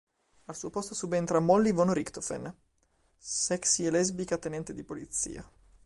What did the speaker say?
Al suo posto subentra Molly Von Richtofen, sexy e lesbica tenente di polizia.